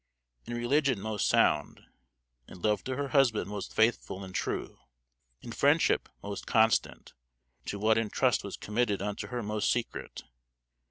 In religion most sounde, in love to her husband most faythful and true. In friendship most constant; to what in trust was committed unto her most secret.